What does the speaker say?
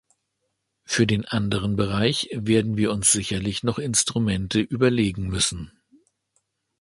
Für den anderen Bereich werden wir uns sicherlich noch Instrumente überlegen müssen.